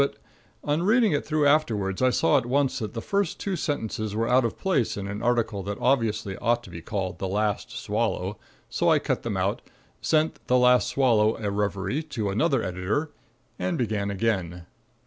But on reading it through afterwards I saw at once that the first two sentences were out of place in an article that obviously ought to be called "The Last Swallow"; so I cut them out, sent "The Last Swallow: A Reverie" to another Editor, and began again.